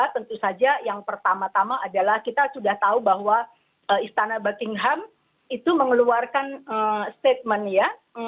tentu saja yang pertama tama adalah kita sudah tahu bahwa istana buckingham itu mengeluarkan statement ya